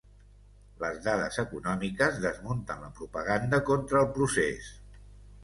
Les dades econòmiques desmunten la propaganda contra el procés.